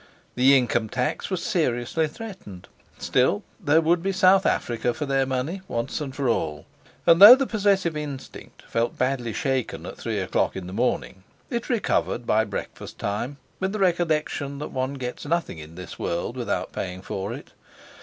The income tax was seriously threatened. Still, there would be South Africa for their money, once for all. And though the possessive instinct felt badly shaken at three o'clock in the morning, it recovered by breakfast time with the recollection that one gets nothing in this world without paying for it.